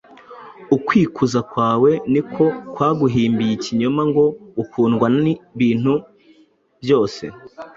Ukwikuza kwawe ni ko kwaguhimbiye ikinyoma ngo ukundwa n’ibintu byose!